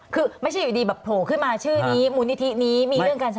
คือไม่ใช่อยู่ดีแบบโผล่ขึ้นมาชื่อนี้มูลนิธินี้มีเรื่องการใช้